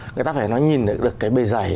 người ta phải nhìn được cái bề dày